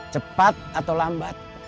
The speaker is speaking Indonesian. cepat atau lambat